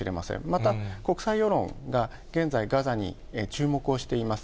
また、国際世論が現在、ガザに注目をしています。